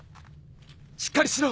しっかりしろ！